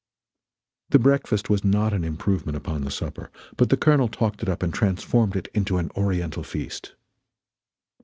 The breakfast was not an improvement upon the supper, but the Colonel talked it up and transformed it into an oriental feast.